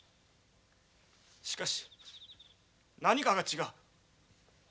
しかし何かが違う。